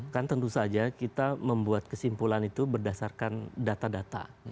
kan tentu saja kita membuat kesimpulan itu berdasarkan data data